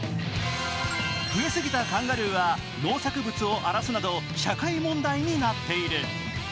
増えすぎたカンガルーは農作物を荒らすなど社会問題になっている。